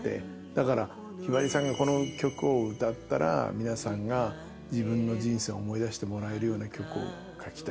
だからひばりさんがこの曲を歌ったら皆さんが自分の人生を思い出してもらえるような曲を書きたいと。